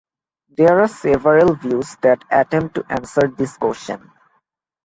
There are several views that attempt to answer this question.